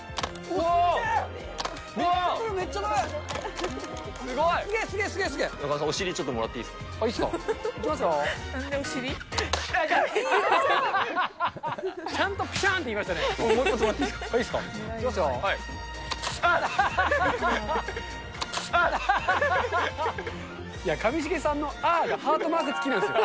お尻、ちょっともらっていいいいですか？